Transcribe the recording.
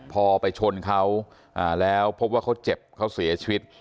พอไปชนเขาแล้วพบว่าเขาเจ็บเขาเสียชีวิต